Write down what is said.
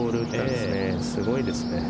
すごいですね。